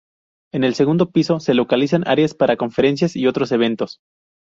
En el segundo piso se localizan áreas para conferencias y otros eventos.